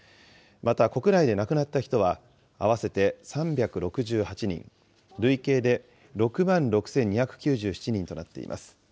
また、国内で亡くなった人は合わせて３６８人、累計で６万６２９７人となっています。